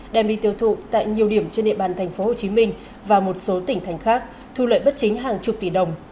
đem đi tiêu thụ tại nhiều điểm trên địa bàn tp hcm và một số tỉnh thành khác thu lợi bất chính hàng chục tỷ đồng